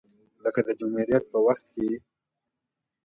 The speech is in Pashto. لکه د جمهوریت په وخت کې